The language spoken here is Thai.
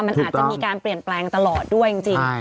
มันอาจจะมีการเปลี่ยนแปลงตลอดด้วยจริง